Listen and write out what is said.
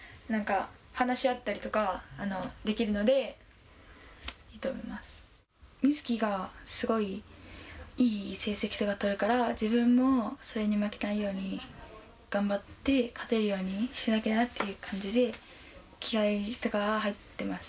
一緒に練習してるときも、なんか、話し合ったりとかできるので、美月がすごいいい成績とか取るから、自分もそれに負けないように頑張って勝てるようにしなきゃなという感じで、気合いとかが入ってます。